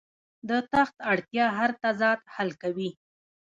د تخت اړتیا هر تضاد حل کوي.